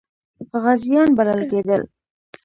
غازیان بلل کېدل.